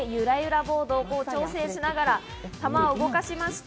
ユラユラボードを調整しながら、玉を動かしまして。